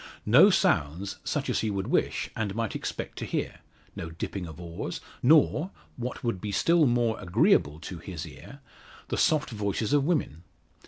No sounds, such as he would wish, and might expect to hear no dipping of oars, nor, what would be still more agreeable to his ear, the soft voices of women.